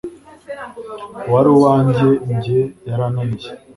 uwari uwanjye jye yarananiye